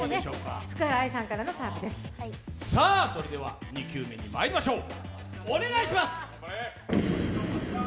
それでは２球目にまいりましょう。